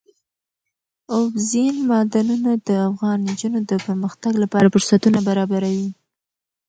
اوبزین معدنونه د افغان نجونو د پرمختګ لپاره فرصتونه برابروي.